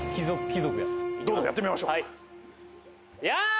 どうぞやってみましょうはいヤー！